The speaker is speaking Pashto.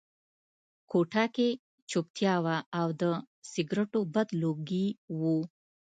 کوټه کې چوپتیا وه او د سګرټو بد لوګي وو